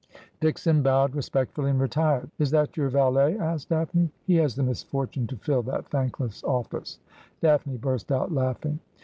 Dickson bowed respectfully and retired. ' Is that your valet ?' asked Daphne. ' He has the misfortune to fill that thankless of&ce.' Daphne burst out laughing.